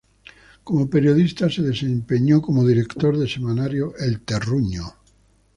Como periodista se desempeñó como Director del Semanario El Terruño.